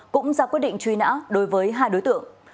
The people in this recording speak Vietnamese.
cũng ra quyết định truy nã đối với hai đối tượng